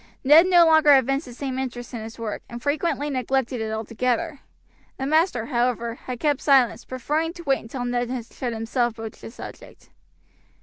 Ned no longer evinced the same interest in his work, and frequently neglected it altogether; the master, however, had kept silence, preferring to wait until Ned should himself broach the subject.